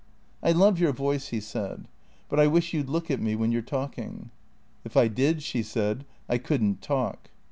" I love your voice," he said, " but I wish you 'd look at me when you 're talking." " If I did," she said, " I could n't talk."